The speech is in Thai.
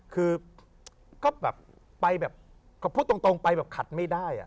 คือก็คู่ดตรงไปไม่ได้